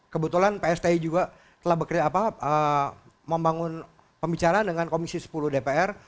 kebetulan psti juga telah membangun pembicaraan dengan komisi sepuluh dpr